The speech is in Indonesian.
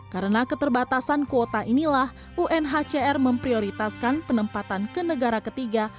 karena keterbatasan kuota inilah unhcr memprioritaskan penempatan ke negara ketiga